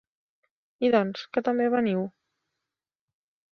I doncs, que també veniu?